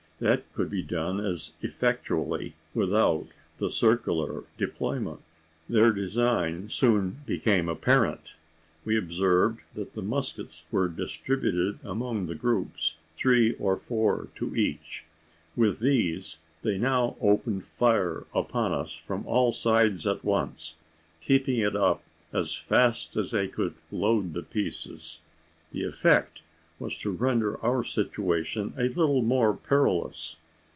That could be done as effectually without the circular deployment. Their design soon became apparent. We observed that the muskets were distributed among the groups, three or four to each. With these they now opened fire upon us from all sides at once, keeping it up as fast as they could load the pieces. The effect was to render our situation a little more perilous.